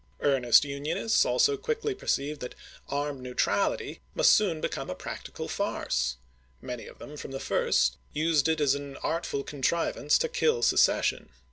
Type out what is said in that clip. Earnest Unionists also quickly perceived that "armed neu trality " must soon become a practical farce ; many of them from the first used it as an artful contriv ance to kill secession.